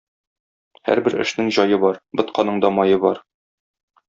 Һәрбер эшнең җае бар, ботканың да мае бар.